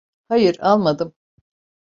Hayır, almadım.